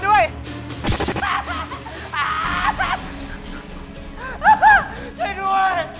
ช่วยด้วยช่วยด้วย